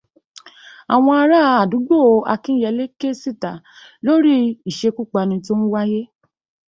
Àwọn ará àdúgbò Akínyelé ké sita lórí iṣékúpani tó ń wáyé.